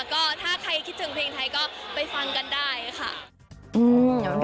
ก็ถ้าใครคิดถึงเพลงไทยก็ไปฟังกันได้ค่ะ